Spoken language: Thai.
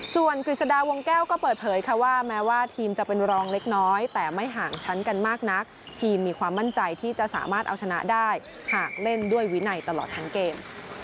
ส่วนกฤษฎาวงแก้วก็เปิดเผยค่ะว่าแม้ว่าทีมจะเป็นรองเล็กน้อยแต่ไม่ห่างชั้นกันมากนักทีมมีความมั่นใจที่จะสามารถเอาชนะได้หากเล่นด้วยวินัยตลอดทั้งเกม